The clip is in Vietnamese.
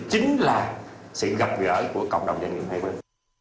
chính là sự gặp gỡ của cộng đồng doanh nghiệp hay hơn